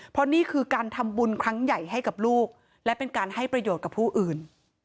เพราะนี่คือการทำบุญครั้งใหญ่ให้กับลูกและเป็นการให้ประโยชน์กับผู้อื่น